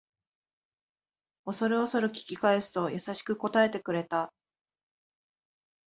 おそるおそる聞き返すと優しく答えてくれた